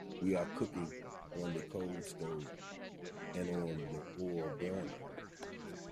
We are cooking on the coal stove and on the oil burners.